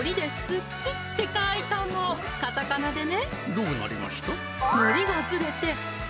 どうなりました？